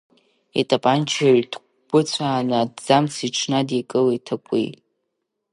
Итапанча ҩҭкәыцәаан аҭӡамц иҽнадикылеит ҭакәи.